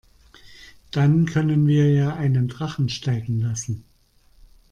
Dann können wir ja einen Drachen steigen lassen.